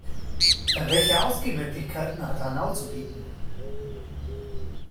Welche Ausgehmöglichkeiten hat Hanau zu bieten?